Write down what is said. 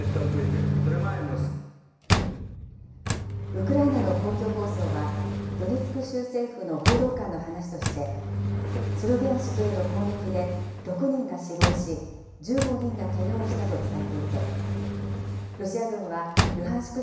ウクライナの公共放送は、ドネツク州政府の報道官の話として、スロビャンシクへの攻撃で６人が死亡し、１５人がけがをしたと伝えていて、ロシア軍はルハンシク